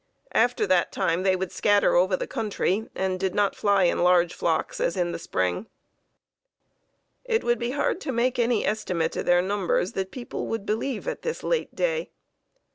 After that time they would scatter over the country, and did not fly in large flocks as in the spring. It would be hard to make any estimate of their numbers that people would believe at this late day.